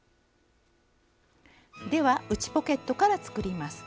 では内ポケットから作ります。